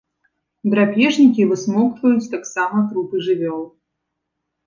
Драпежнікі, высмоктваюць таксама трупы жывёл.